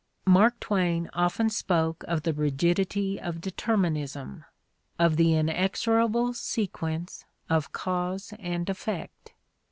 Mark Twain often spoke of the rigidity of determin ism, of the inexorable sequence of cause and effect.